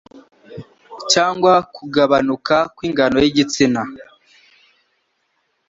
cyangwa kugabanuka kw'ingano y'igitsina